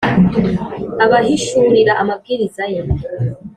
abahishurira amabwiriza ye